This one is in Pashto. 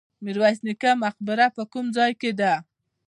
میرویس نیکه مقبره په کوم ځای کې ده؟